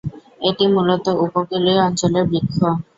এটি মূলত উপকূলীয় অঞ্চলের বৃক্ষ।